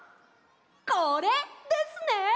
これですね！